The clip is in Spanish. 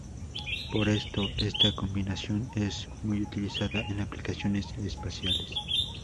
Por esto, esta combinación es muy utilizada en aplicaciones espaciales.